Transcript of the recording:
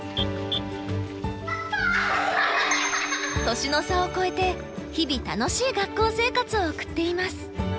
年の差を超えて日々楽しい学校生活を送っています。